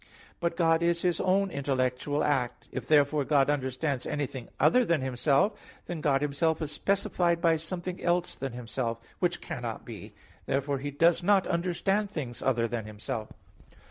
But God is His own intellectual act. If therefore God understands anything other than Himself, then God Himself is specified by something else than Himself; which cannot be. Therefore He does not understand things other than Himself.